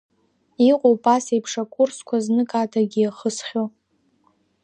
Иҟоуп, ас еиԥш акурсқәа знык адагьы иахысхьоу.